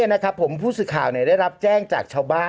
โอเคโอเคโอเคโอเคโอเคโอเคโอเค